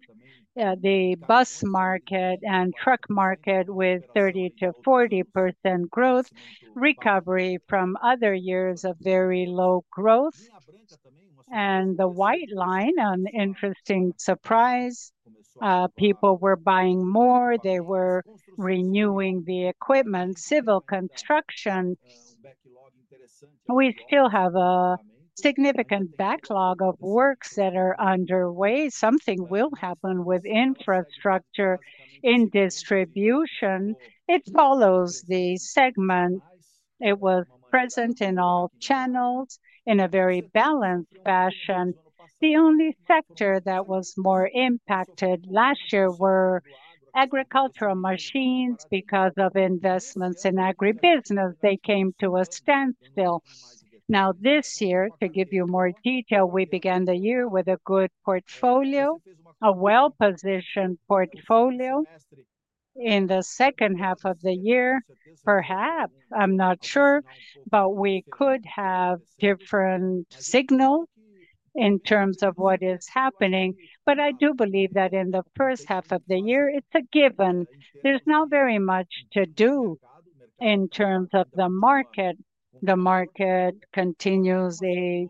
the bus market and truck market with 30%-40% growth, recovery from other years of very low growth. The white line, an interesting surprise, people were buying more, they were renewing the equipment, civil construction. We still have a significant backlog of works that are underway. Something will happen with infrastructure in distribution. It follows the segment. It was present in all channels in a very balanced fashion. The only sector that was more impacted last year were agricultural machines because of investments in agribusiness. They came to a standstill. Now, this year, to give you more detail, we began the year with a good portfolio, a well-positioned portfolio. In the second half of the year, perhaps, I'm not sure, but we could have different signals in terms of what is happening. I do believe that in the first half of the year, it's a given. There's not very much to do in terms of the market. The market continues a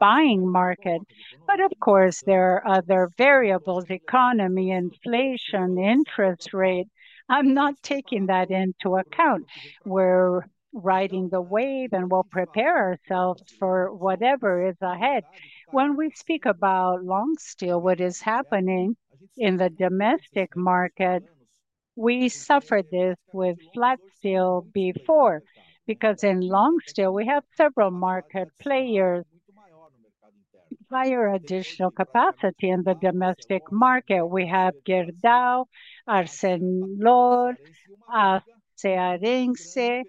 buying market. Of course, there are other variables: economy, inflation, interest rate. I'm not taking that into account. We're riding the wave and we'll prepare ourselves for whatever is ahead. When we speak about long steel, what is happening in the domestic market, we suffered this with flat steel before because in long steel, we have several market players. Higher additional capacity in the domestic market. We have Gerdau, ArcelorMittal, Aço Cearense,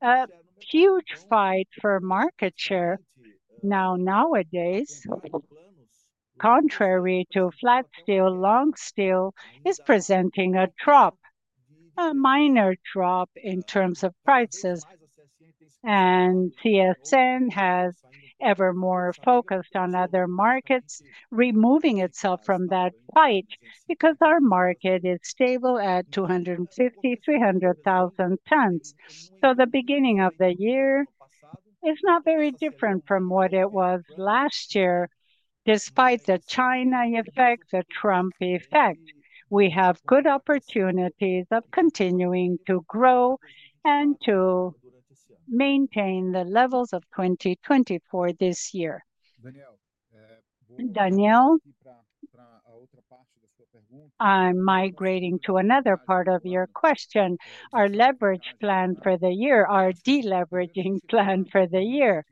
a huge fight for market share. Nowadays, contrary to flat steel, long steel is presenting a drop, a minor drop in terms of prices. CSN has ever more focused on other markets, removing itself from that fight because our market is stable at 250,000-300,000 tons. The beginning of the year is not very different from what it was last year. Despite the China effect, the Trump effect, we have good opportunities of continuing to grow and to maintain the levels of 2024 this year. Daniel, I'm migrating to another part of your question. Our leverage plan for the year, our deleveraging plan for the year,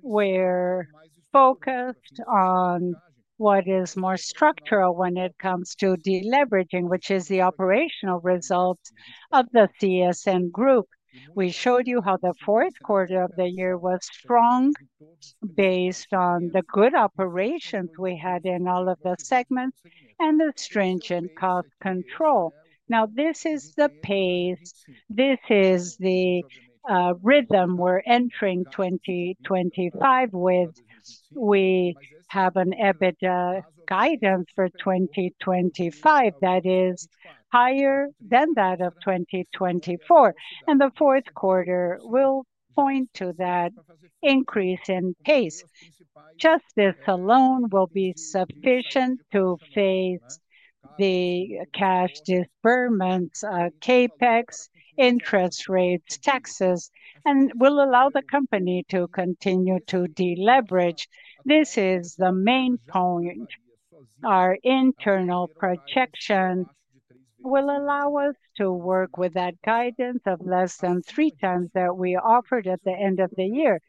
we're focused on what is more structural when it comes to deleveraging, which is the operational result of the CSN group. We showed you how the fourth quarter of the year was strong based on the good operations we had in all of the segments and the stringent cost control. Now, this is the pace, this is the rhythm we're entering 2025 with. We have an EBITDA guidance for 2025 that is higher than that of 2024. The fourth quarter will point to that increase in pace. Just this alone will be sufficient to face the cash disbursements, CapEx, interest rates, taxes, and will allow the company to continue to deleverage. This is the main point. Our internal projection will allow us to work with that guidance of less than three times that we offered at the end of the year.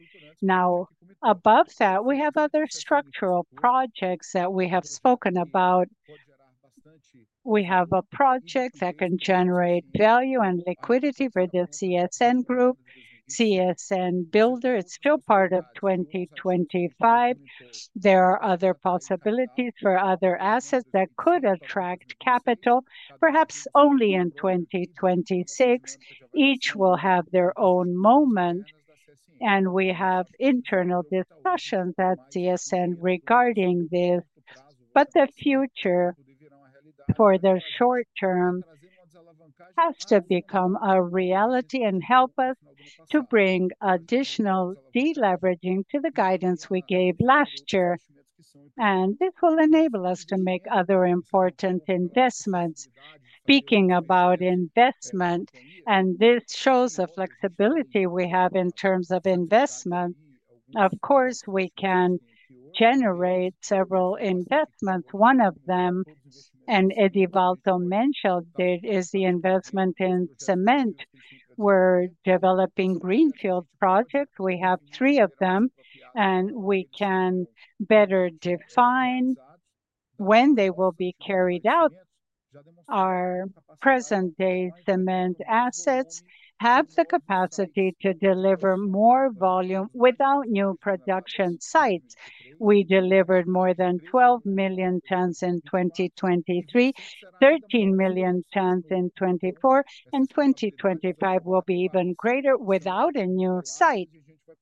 Now, above that, we have other structural projects that we have spoken about. We have a project that can generate value and liquidity for the CSN group, CSN Builder. It's still part of 2025. There are other possibilities for other assets that could attract capital, perhaps only in 2026. Each will have their own moment, and we have internal discussions at CSN regarding this. The future for the short term has to become a reality and help us to bring additional deleveraging to the guidance we gave last year. This will enable us to make other important investments. Speaking about investment, this shows the flexibility we have in terms of investment. Of course, we can generate several investments. One of them, and Eddie Valdo mentioned it, is the investment in cement. We are developing greenfield projects. We have three of them, and we can better define when they will be carried out. Our present-day cement assets have the capacity to deliver more volume without new production sites. We delivered more than 12 million tons in 2023, 13 million tons in 2024, and 2025 will be even greater without a new site.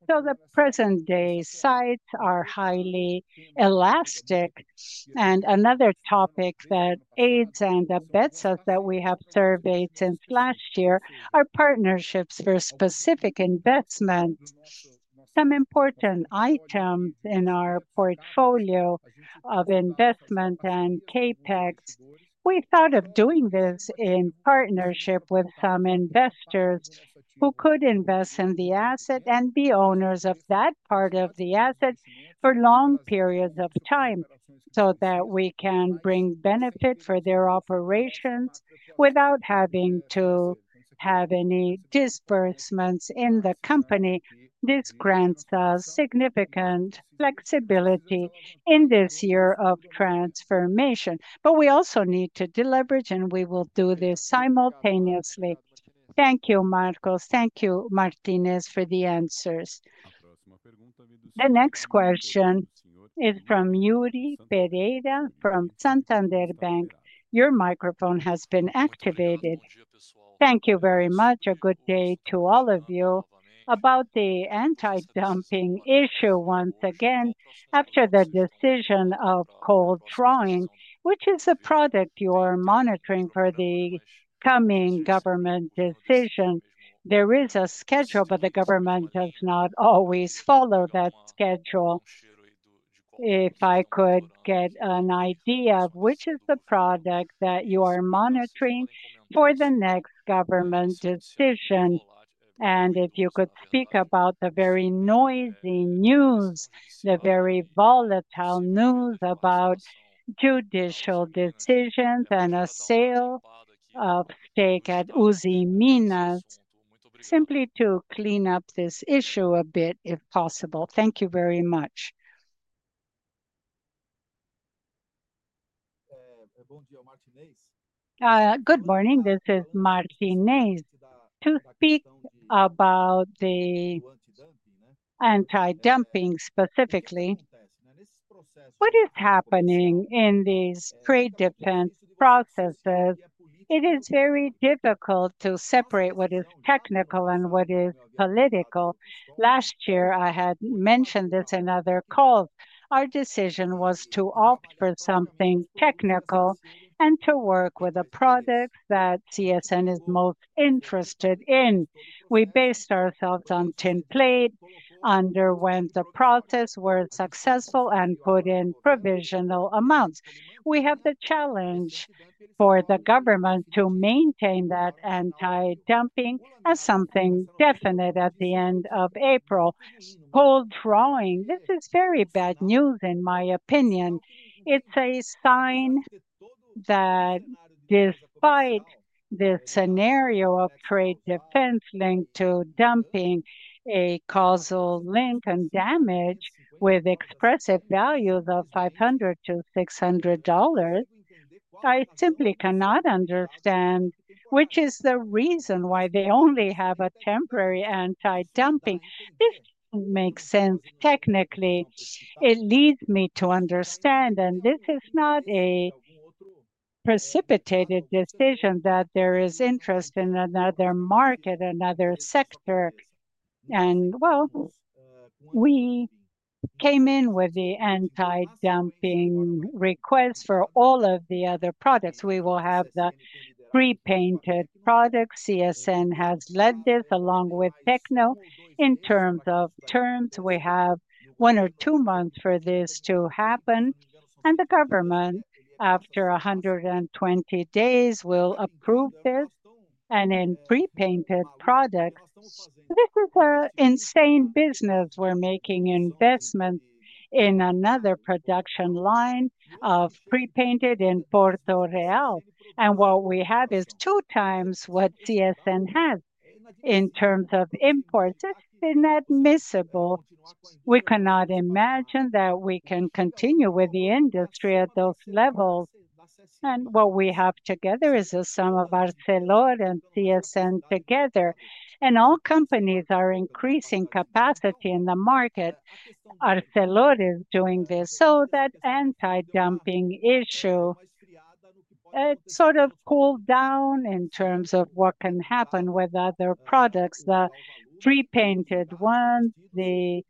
The present-day sites are highly elastic. Another topic that aids and abets us that we have surveyed since last year are partnerships for specific investments. Some important items in our portfolio of investment and CapEx. We thought of doing this in partnership with some investors who could invest in the asset and be owners of that part of the asset for long periods of time so that we can bring benefit for their operations without having to have any disbursements in the company. This grants us significant flexibility in this year of transformation. We also need to deleverage, and we will do this simultaneously. Thank you, Marcos. Thank you, Martinez, for the answers. The next question is from Yuri Pereira from Santander Bank. Your microphone has been activated. Thank you very much. A good day to all of you. About the anti-dumping issue once again, after the decision of cold drawing, which is a product you are monitoring for the coming government decisions. There is a schedule, but the government does not always follow that schedule. If I could get an idea of which is the product that you are monitoring for the next government decision, and if you could speak about the very noisy news, the very volatile news about judicial decisions and a sale of stake at Usiminas, simply to clean up this issue a bit if possible. Thank you very much. Good morning. This is Martinez. To speak about the anti-dumping specifically, what is happening in these trade defense processes, it is very difficult to separate what is technical and what is political. Last year, I had mentioned this in other calls. Our decision was to opt for something technical and to work with a product that CSN is most interested in. We based ourselves on tinplate, underwent the process, were successful, and put in provisional amounts. We have the challenge for the government to maintain that anti-dumping as something definite at the end of April. Cold drawing, this is very bad news in my opinion. It's a sign that despite this scenario of trade defense linked to dumping, a causal link and damage with expressive values of $500-$600, I simply cannot understand which is the reason why they only have a temporary anti-dumping. This makes sense technically. It leads me to understand, and this is not a precipitated decision, that there is interest in another market, another sector. We came in with the anti-dumping request for all of the other products. We will have the prepainted products. CSN has led this along with Tekno. In terms of terms, we have one or two months for this to happen, and the government, after 120 days, will approve this. In prepainted products, this is an insane business. We're making investments in another production line of prepainted in Porto Real. What we have is two times what CSN has in terms of imports. It's inadmissible. We cannot imagine that we can continue with the industry at those levels. What we have together is the sum of Arcelor and CSN together. All companies are increasing capacity in the market. Arcelor is doing this so that the anti-dumping issue sort of cools down in terms of what can happen with other products, the prepainted ones, the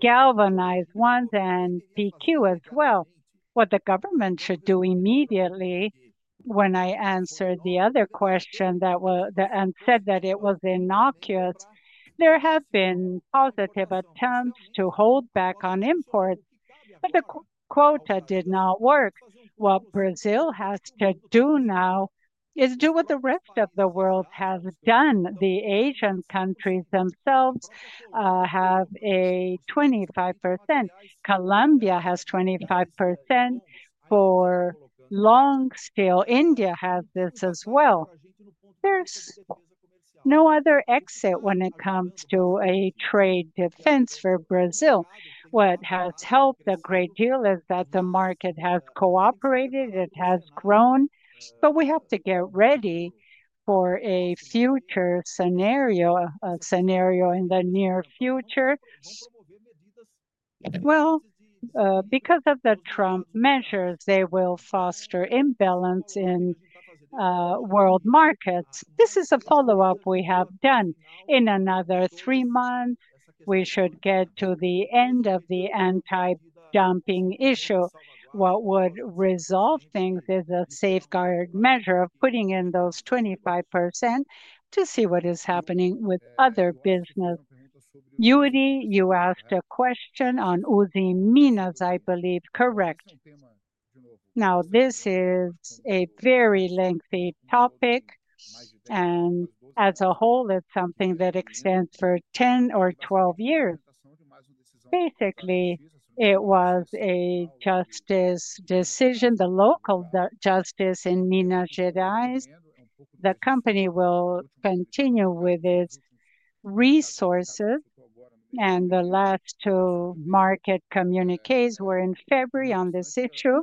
galvanized ones, and BQ as well. What the government should do immediately, when I answered the other question that was and said that it was innocuous, there have been positive attempts to hold back on imports, but the quota did not work. What Brazil has to do now is do what the rest of the world has done. The Asian countries themselves have a 25%. Colombia has 25% for long steel. India has this as well. There's no other exit when it comes to a trade defense for Brazil. What has helped a great deal is that the market has cooperated. It has grown, but we have to get ready for a future scenario, a scenario in the near future. Because of the Trump measures, they will foster imbalance in world markets. This is a follow-up we have done. In another three months, we should get to the end of the anti-dumping issue. What would resolve things is a safeguard measure of putting in those 25% to see what is happening with other businesses. Yuri, you asked a question on Usiminas, I believe. Correct. Now, this is a very lengthy topic, and as a whole, it's something that extends for 10 or 12 years. Basically, it was a justice decision, the local justice in Minas Gerais. The company will continue with its resources, and the last two market communiqués were in February on this issue.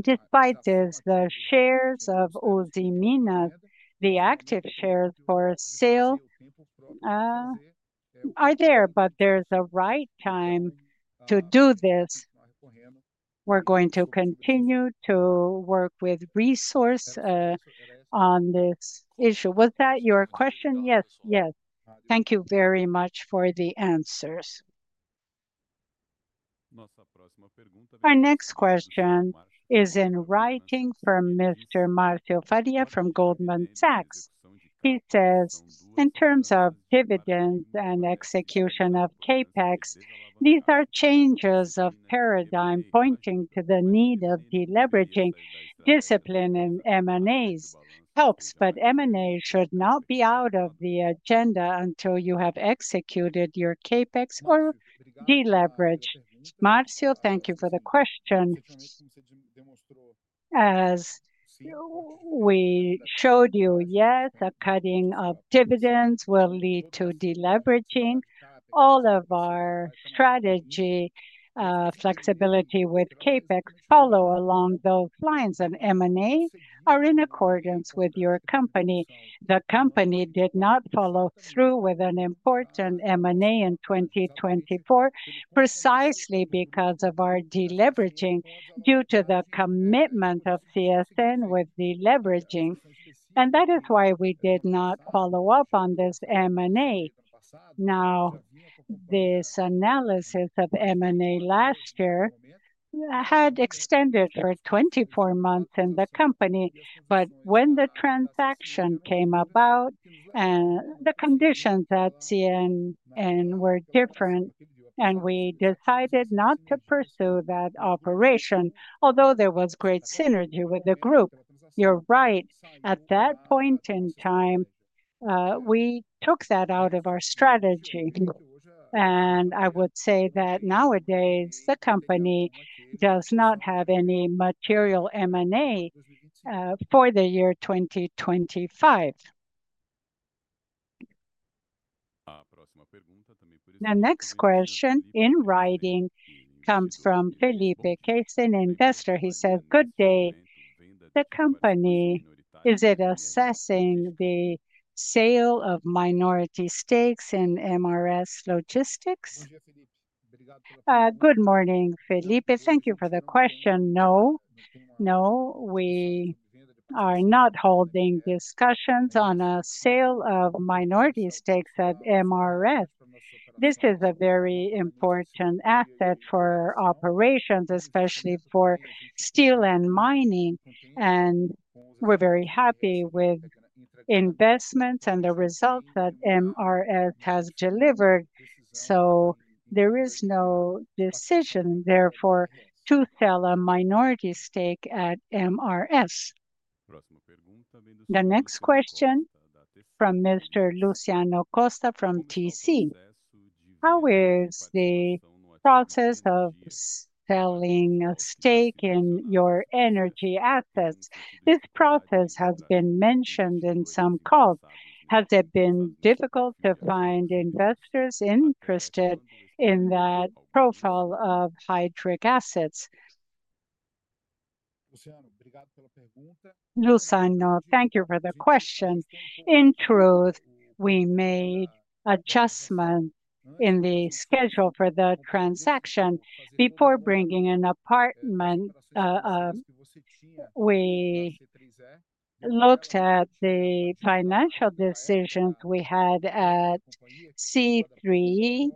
Despite this, the shares of Usiminas, the active shares for sale, are there, but there's a right time to do this. We're going to continue to work with resources on this issue. Was that your question? Yes, yes. Thank you very much for the answers. Our next question is in writing from Mr. Marcio Farid from Goldman Sachs. He says, in terms of dividends and execution of CapEx, these are changes of paradigm pointing to the need of deleveraging. Discipline in M&As helps, but M&As should not be out of the agenda until you have executed your CapEx or deleveraged. Marcio, thank you for the question. As we showed you, yes, a cutting of dividends will lead to deleveraging. All of our strategy flexibility with CapEx follows along those lines, and M&As are in accordance with your company. The company did not follow through with an important M&A in 2024, precisely because of our deleveraging due to the commitment of CSN with deleveraging. That is why we did not follow up on this M&A. Now, this analysis of M&A last year had extended for 24 months in the company, but when the transaction came about and the conditions at CSN were different, we decided not to pursue that operation, although there was great synergy with the group. You're right. At that point in time, we took that out of our strategy. I would say that nowadays the company does not have any material M&A for the year 2025. The next question in writing comes from Felipe [Kaiser], an investor. He says, "Good day. The company, is it assessing the sale of minority stakes in MRS Logística?" Good morning, Felipe. Thank you for the question. No, no. We are not holding discussions on a sale of minority stakes at MRS. This is a very important asset for operations, especially for steel and mining. We are very happy with investments and the results that MRS has delivered. There is no decision, therefore, to sell a minority stake at MRS. The next question from Mr. Luciano Costa from TC. How is the process of selling a stake in your energy assets? This process has been mentioned in some calls. Has it been difficult to find investors interested in that profile of hydric assets? Luciano, thank you for the question. In truth, we made adjustments in the schedule for the transaction. Before bringing an partner, we looked at the financial decisions we had at CEEE.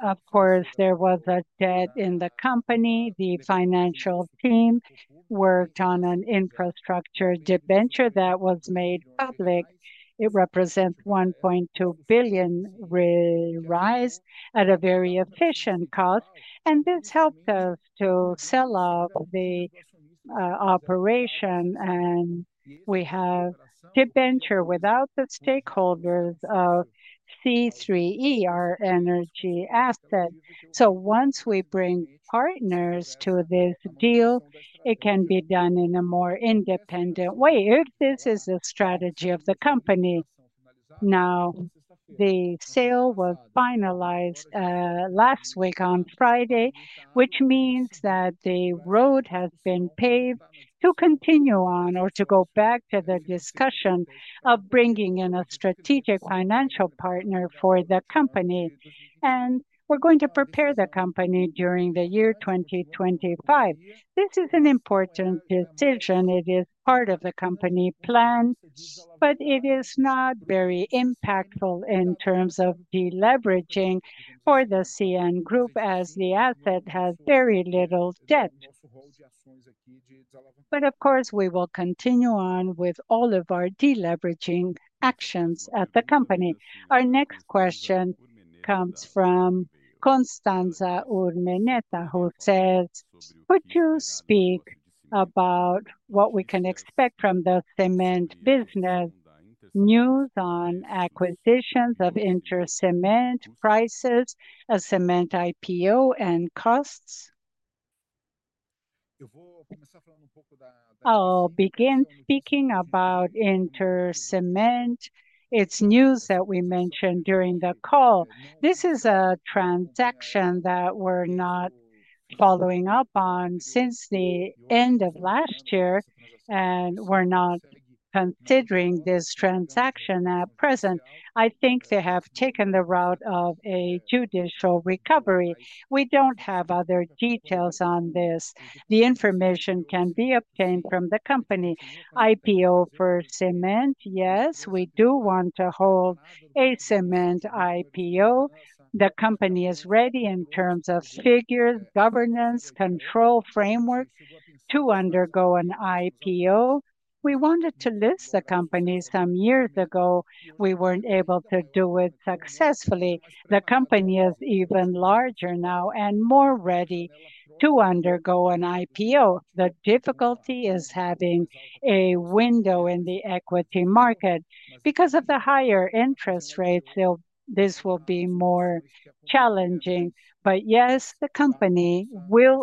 Of course, there was a debt in the company. The financial team worked on an infrastructure debenture that was made public. It represents 1.2 billion reais at a very efficient cost. This helped us to sell out the operation. We have debenture without the stakeholders of CEEE, our energy asset. Once we bring partners to this deal, it can be done in a more independent way. This is the strategy of the company. Now, the sale was finalized last week on Friday, which means that the road has been paved to continue on or to go back to the discussion of bringing in a strategic financial partner for the company. We are going to prepare the company during the year 2025. This is an important decision. It is part of the company plan, but it is not very impactful in terms of deleveraging for the CSN Group as the asset has very little debt. Of course, we will continue on with all of our deleveraging actions at the company. Our next question comes from Constanza Urmeneta, who says, " Could you speak about what we can expect from the cement business news on acquisitions of InterCement, prices, a cement IPO, and costs?" I will begin speaking about InterCement. It is news that we mentioned during the call. This is a transaction that we're not following up on since the end of last year, and we're not considering this transaction at present. I think they have taken the route of a judicial recovery. We don't have other details on this. The information can be obtained from the company. IPO for cement, yes, we do want to hold a cement IPO. The company is ready in terms of figures, governance, control framework to undergo an IPO. We wanted to list the company some years ago. We weren't able to do it successfully. The company is even larger now and more ready to undergo an IPO. The difficulty is having a window in the equity market. Because of the higher interest rates, this will be more challenging. Yes, the company will.